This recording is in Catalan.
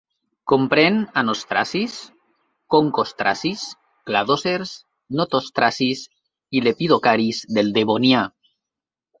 Comprèn anostracis, concostracis, cladòcers, notostracis i lepidocaris del Devonià.